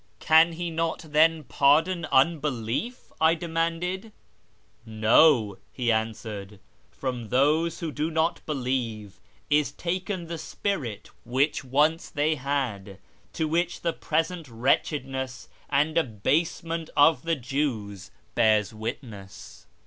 " Can He not then pardon unbelief ?" I demanded. " No," he answered, " from those who do not believe is taken the spirit which once they had, to which the present wretchedness and abasement of the Jews bears witness."